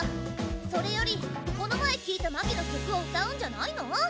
それよりこの前聴いた真姫の曲を歌うんじゃないの？